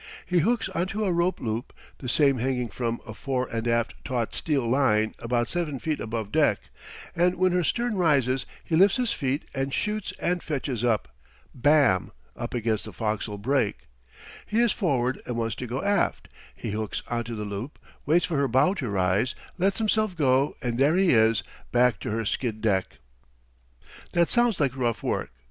He hooks onto a rope loop, the same hanging from a fore and aft taut steel line about seven feet above deck, and when her stern rises he lifts his feet and shoots and fetches up Bam! up against the fo'c's'le break. He is forward and wants to go aft he hooks onto the loop, waits for her bow to rise, lets himself go and there he is back to her skid deck. That sounds like rough work.